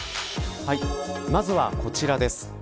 まずはこちらです。